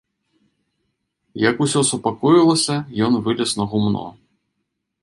Як ўсё супакоілася, ён вылез на гумно.